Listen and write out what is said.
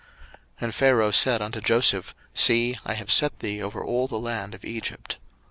01:041:041 And Pharaoh said unto Joseph, See, I have set thee over all the land of Egypt.